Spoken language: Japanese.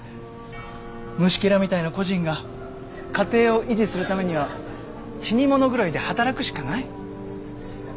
虫けらみたいな個人が家庭を維持するためには死に物狂いで働くしかない。